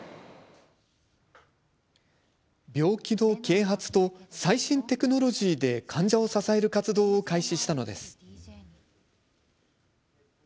病気の啓発と最新テクノロジーで患者を支える活動を開始したんです。